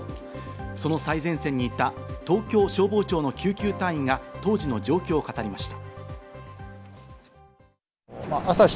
その最前線にいた東京消防庁の救急隊員が当時の状況を語りました。